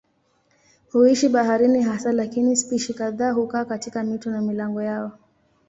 Huishi baharini hasa lakini spishi kadhaa hukaa katika mito na milango yao.